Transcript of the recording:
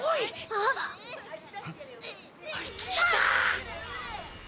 あっ。来た！